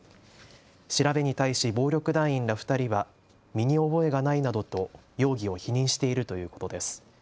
調べに対し暴力団員ら２人は身に覚えがないなどと容疑を否認しているということです。